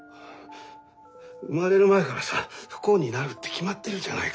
生まれる前からさ不幸になるって決まってるじゃないか。